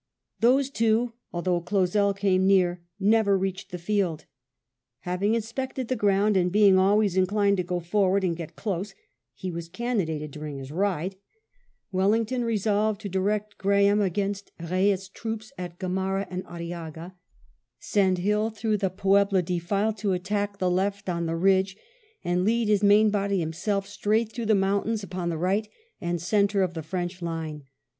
Those two, although Clausel came near, never reached the field. Having inspected the ground, and being always in clined to go forward and get close — he was cannonaded during his ride — Wellington resolved to direct Graham against Eeille's troops at Gamara and Ariaga, send Hill through the Puebla defile to attack the left on the ridge, and lead his main body himself straight through the mountains upon the right and centre of the French line.